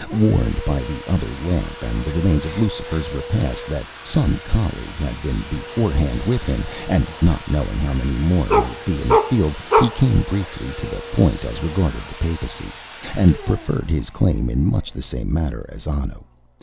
Warned by the other lamp and the remains of Lucifer's repast that some colleague had been beforehand with him, and not knowing how many more might be in the field, he came briefly to the point as regarded the Papacy, and preferred his claim in much the same manner as Anno.